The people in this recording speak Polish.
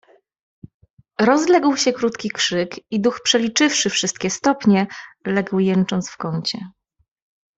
"Rozległ się krótki krzyk i duch, przeliczywszy wszystkie stopnie, legł jęcząc w kącie."